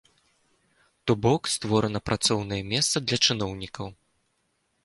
То бок, створана працоўнае месца для чыноўнікаў.